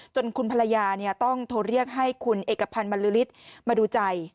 จนคุณภรรยาต้องโทรเรียกให้คุณเอกพันธ์บรรลือฤทธิ์มาดูใจ